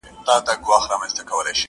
د زړه سوى، د کوني سوى.